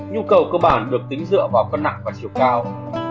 nhu cầu cơ bản được tính dựa vào cân nặng và chiều cao